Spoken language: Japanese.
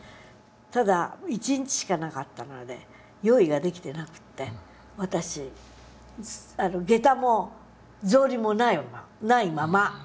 ただ１日しかなかったので用意ができてなくって私下駄も草履もないまま。